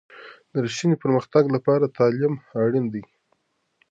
د رښتیني پرمختګ لپاره تعلیم اړین دی.